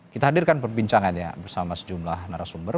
kita hadirkan perbincangannya bersama sejumlah narasumber